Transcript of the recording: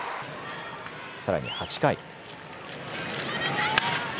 さらに８回。